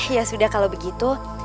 ya sudah kalau begitu